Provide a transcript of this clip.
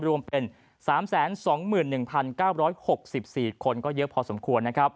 รวมเป็น๓๒๑๙๖๔คนก็เยอะพอสมควร